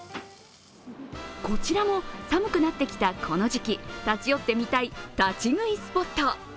こちらも寒くなってきたこの時期、立ち寄ってみたい立ち食いスポット。